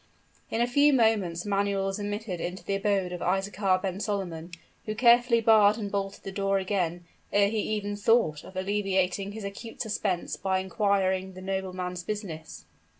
In a few moments Manuel was admitted into the abode of Isaachar ben Solomon, who carefully barred and bolted the door again, ere he even thought of alleviating his acute suspense by inquiring the nobleman's business.